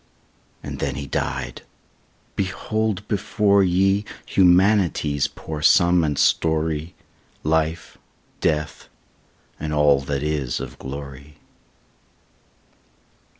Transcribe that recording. And then he died! Behold before ye Humanity's poor sum and story; Life, Death, and all that is of glory.